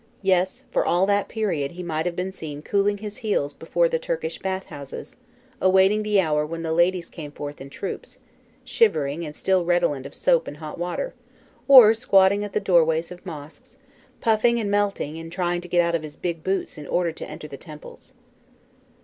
Yes; for all that period he might have been seen cooling his heels before the Turkish bath houses, awaiting the hour when the ladies came forth in troops, shivering and still redolent of soap and hot water; or squatting at the doorways of mosques, puffing and melting in trying to get out of his big boots in order to enter the temples.